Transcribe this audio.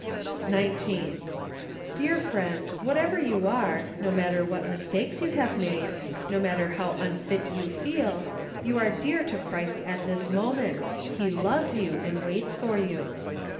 19. Dear friend, whatever you are, no matter what mistakes you have made, no matter how unfit you feel, you are dear to Christ at this moment: He loves you and waits for you.